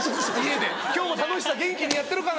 「今日も楽しさ元気にやってる？」。